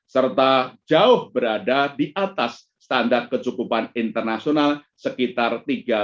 serta jauh berada di atas standar kecukupan internasional sekitar tiga